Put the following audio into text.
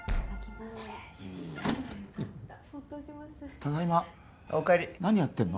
ただいまあっおかえり何やってんの？